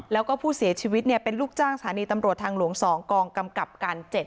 แล้วก็ผู้เสียชีวิตเป็นลูกจ้างสถานีตำรวจทางหลวง๒กองกำกับการ๗